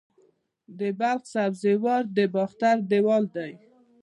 د بلخ سبزې وار د باختر دیوال دی